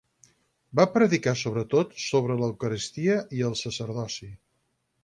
Va predicar sobretot sobre l'Eucaristia i el sacerdoci.